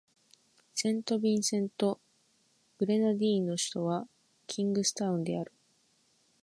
セントビンセント・グレナディーンの首都はキングスタウンである